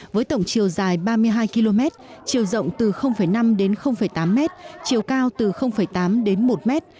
với tổng chiều dài ba mươi hai km chiều rộng từ năm đến tám mét chiều cao từ tám đến một mét